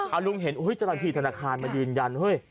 แล้วลุงเห็นโอ้โหจรภาคที่ธนาคารมายืนยันเฮ้ย